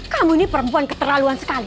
kamu ini perempuan keterlaluan sekali